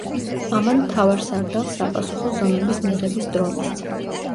ამან მთავარსარდალს საპასუხო ზომების მიღების დრო მისცა.